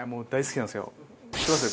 知ってます？